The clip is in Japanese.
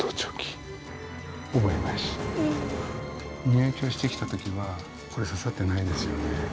入居してきたときは、これささってないですよね。